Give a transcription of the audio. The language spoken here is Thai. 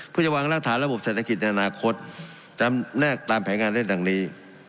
เพื่อจะวางรากฐานระบบเศรษฐกิจในอนาคตจำแนกตามแผนงานเล่นดังนี้